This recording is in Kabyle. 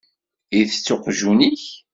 Itett uqjun-ik?